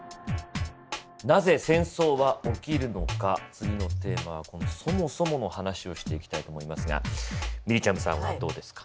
次のテーマはこのそもそもの話をしていきたいと思いますがみりちゃむさんはどうですか？